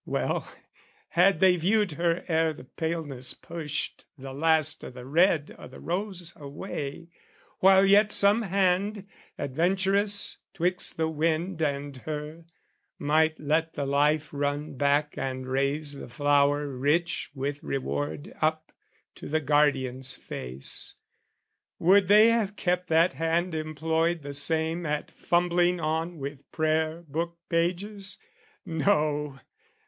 Well, had they viewed her ere the paleness pushed The last o' the red o' the rose away, while yet Some hand, adventurous 'twixt the wind and her, Might let the life run back and raise the flower Rich with reward up to the guardian's face, Would they have kept that hand employed the same At fumbling on with prayer book pages? No!